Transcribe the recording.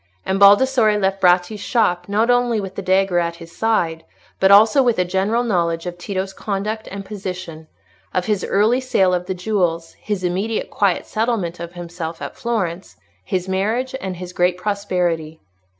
And Baldassarre left Bratti's shop, not only with the dagger at his side, but also with a general knowledge of Tito's conduct and position—of his early sale of the jewels, his immediate quiet settlement of himself at Florence, his marriage, and his great prosperity.